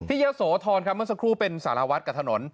เยอะโสธรครับเมื่อสักครู่เป็นสารวัตรกับถนน